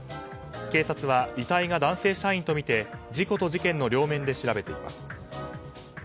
警察は遺体が男性社員とみて事故と事件の両面で調べています。